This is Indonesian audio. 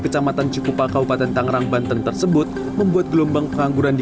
kecamatan cikupa kabupaten tangerang banten tersebut membuat gelombang pengangguran di